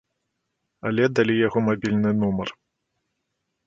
Але далі яго мабільны нумар.